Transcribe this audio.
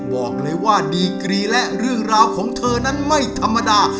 บอกเลยว่าดีกรีและเรื่องราวของเธอนั้นไม่ธรรมดา